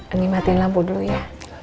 ini matiin lampu dulu ya